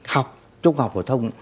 học trung học phổ thông